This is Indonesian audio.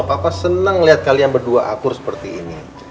papa seneng liat kalian berdua akur seperti ini